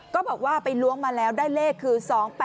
ก็บอกว่าไปล้วงมาแล้วได้เลขคือ๒๘๘